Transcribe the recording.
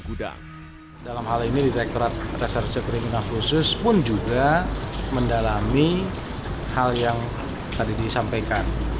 gudang dalam hal ini direkturat reserse kriminal khusus pun juga mendalami hal yang tadi disampaikan